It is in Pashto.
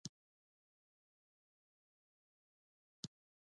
بوتل په روغتیا پالنه کې هم اهمیت لري.